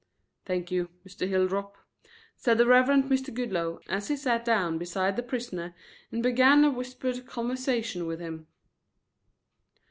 "Thank you, Mr. Hilldrop," said the Reverend Mr. Goodloe, as he sat down beside the prisoner and began a whispered conversation with him.